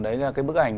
đấy là cái bức ảnh